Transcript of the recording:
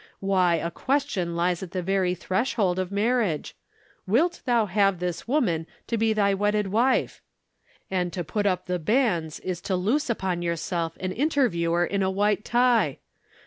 Why, a question lies at the very threshold of marriage 'Wilt thou have this woman to be thy wedded wife?' and to put up the banns is to loose upon yourself an interviewer in a white tie!